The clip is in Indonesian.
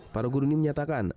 para guru ini menyatakan